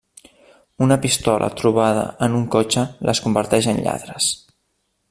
Una pistola trobada en un cotxe les converteix en lladres.